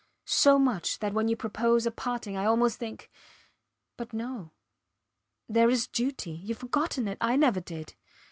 So much that when you propose a parting I almost think. ... But no. There is duty. Youve forgotten it; I never did.